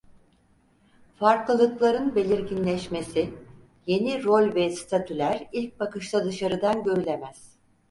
Farklılıkların belirginleşmesi, yeni rol ve statüler ilk bakışta dışarıdan görülemez.